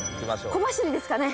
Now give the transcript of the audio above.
小走りですかね。